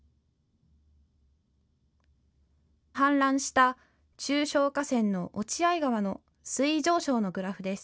氾濫した中小河川の落合川の水位上昇のグラフです。